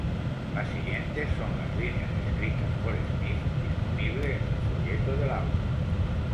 Las siguientes son las líneas escritas por Smith disponible en el folleto del álbum.